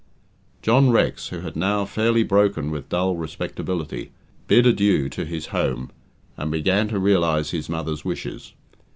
John Rex, who had now fairly broken with dull respectability, bid adieu to his home, and began to realize his mother's wishes.